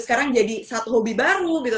sekarang jadi satu hobi baru gitu